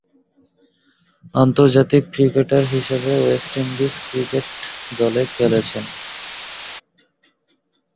আন্তর্জাতিক ক্রিকেটার হিসেবে West Indies cricket দলে খেলছেন।